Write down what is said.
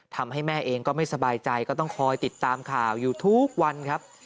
ทำให้แม่เองก็ไม่สบายใจก็ต้องคอยติดตามข่าวอยู่ทุกวันครับ